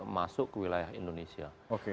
masuk ke wilayah indonesia